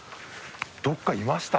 どっかいました？